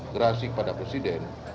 gerasi kepada presiden